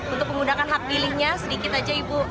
untuk menggunakan hak pilihnya sedikit aja ibu